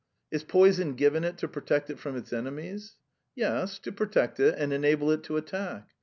"Is poison given it to protect it from its enemies?" "Yes, to protect it and enable it to attack."